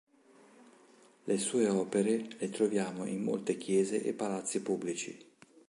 Le sue opere le troviamo in molte chiese e palazzi pubblici.